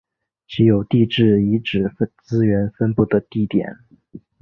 即有地质遗迹资源分布的地点。